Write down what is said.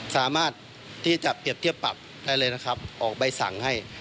สามารถที่จะเปรียบเทียบปรับได้เลยนะครับออกใบสั่งให้